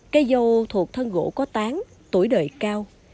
cây dâu thuộc thân gỗ có tán tuổi đời cao